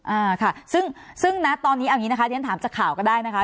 อ่าค่ะซึ่งนัทตอนนี้อย่างนี้นะคะทีนั้นถามจากข่าวก็ได้นะคะ